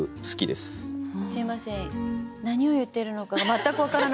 すいません